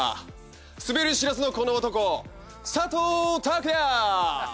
滑り知らずのこの男佐藤拓也！